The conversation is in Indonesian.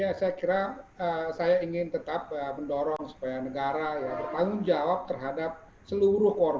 ya saya kira saya ingin tetap mendorong supaya negara ya bertanggung jawab terhadap seluruh korban